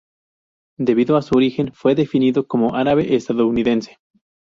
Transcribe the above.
Debido a su origen, fue definido como árabe-estadounidense.